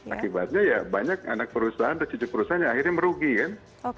akibatnya ya banyak anak perusahaan tercucuk perusahaan akhirnya merugi kan